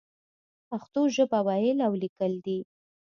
پښتو ژبه ويل او ليکل دې.